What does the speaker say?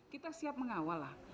kita siap mengawal lah